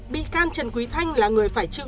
bị can trần quý thanh là người phải chịu